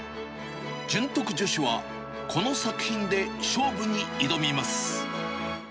潤徳女子は、この作品で勝負に挑みます。